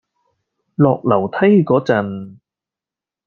落樓梯嗰陣